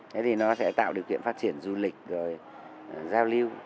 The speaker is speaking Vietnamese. thế thì nó sẽ tạo điều kiện phát triển du lịch rồi giao lưu